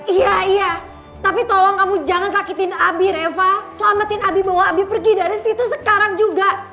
iya iya tapi tolong kamu jangan sakitin abir eva selamatin abi bawa abi pergi dari situ sekarang juga